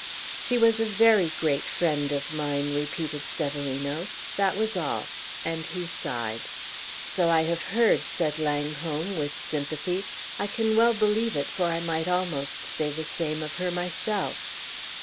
"She was a very great friend of mine," repeated Severino. "That was all." And he sighed. "So I have heard," said Langholm, with sympathy. "I can well believe it, for I might almost say the same of her myself."